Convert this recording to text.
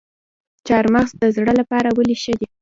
چهارمغز د زړه لپاره ولې ښه دي؟